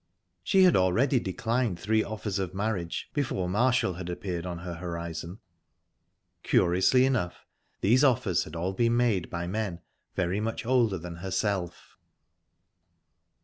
She had already declined three offers of marriage, before Marshall had appeared on her horizon. Curiously enough, these offers had all been made by men very much older than herself.